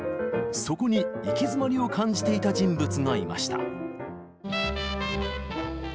そこに行き詰まりを感じていた人物がいました。